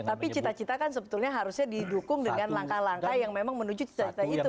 tapi cita cita kan sebetulnya harusnya didukung dengan langkah langkah yang memang menuju cita cita itu